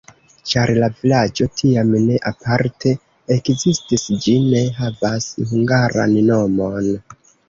Ĉar la vilaĝo tiam ne aparte ekzistis, ĝi ne havas hungaran nomon.